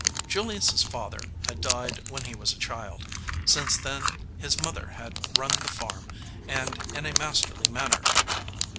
Julius s father had died when he was a child; since then his mother had run the farm, and in a masterly manner.